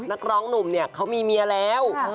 นักร้องหนุ่มเนี่ยเขามีเมียแล้ว